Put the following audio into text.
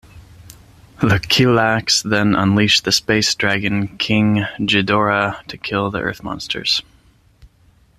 The Kilaaks then unleash the space dragon King Ghidorah to kill the Earth monsters.